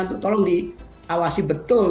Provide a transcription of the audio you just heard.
untuk tolong diawasi betul